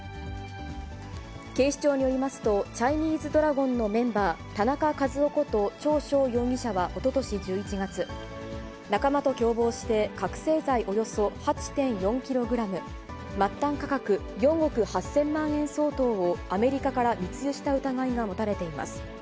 警視庁によりますと、チャイニーズドラゴンのメンバー、田中和夫こと、張嘯容疑者はおととし１１月、仲間と共謀して覚醒剤およそ８．４キログラム、末端価格４億８０００万円相当をアメリカから密輸した疑いが持たれています。